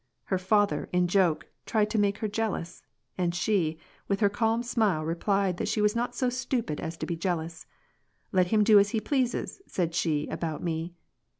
Her father, in joke, tried to make her jealous, and she, with her calm smile replied that she was not so stupid as to be jealous : ''Let him do as he pleases," said she about me.